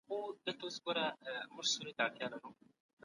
د مسلې حل د څېړني اصلي موخه ده.